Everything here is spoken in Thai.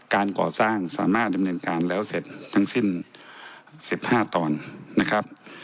การก่อสร้างสามารถดำเนินการแล้วเสร็จทั้งสิ้น๑๕ตอนนะครับ